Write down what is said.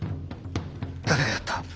誰がやった？